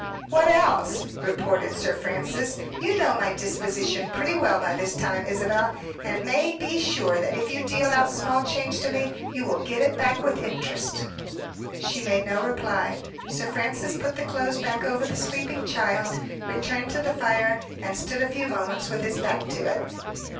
"What else?" retorted Sir Francis. "You know my disposition pretty well by this time, Isabel, and may be sure that if you deal out small change to me, you will get it back again with interest." She made no reply. Sir Francis put the clothes back over the sleeping child, returned to the fire, and stood a few moments with his back to it.